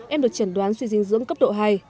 em được chẩn đoán suy dinh dưỡng cấp độ hai